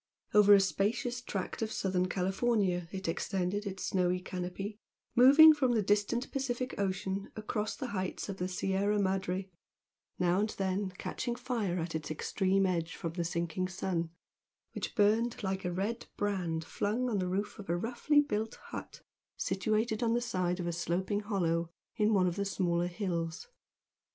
Over a spacious tract of Southern California it extended its snowy canopy, moving from the distant Pacific Ocean across the heights of the Sierra Madre, now and then catching fire at its extreme edge from the sinking sun, which burned like a red brand flung on the roof of a roughly built hut situated on the side of a sloping hollow in one of the smaller hills.